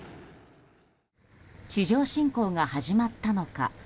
地上侵攻が始まったのか。